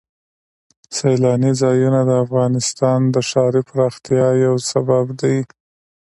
سیلاني ځایونه د افغانستان د ښاري پراختیا یو سبب دی.